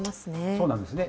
そうなんですね。